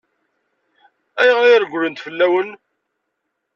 Ayɣer i regglent fell-awen?